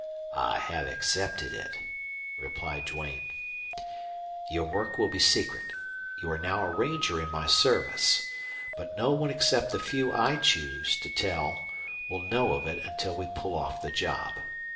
"I have accepted it," replied Duane. "Your work will be secret. You are now a ranger in my service. But no one except the few I choose to tell will know of it until we pull off the job.